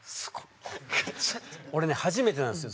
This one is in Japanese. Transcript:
俺ね初めてなんですよ。